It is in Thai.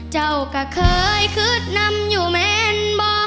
เจ้าก็เคยขึ้นนำอยู่แม่นบ่อ